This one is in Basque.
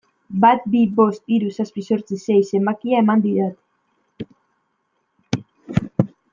Bat bi bost hiru zazpi zortzi sei zenbakia eman didate.